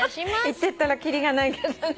言ってったらきりがないけどね。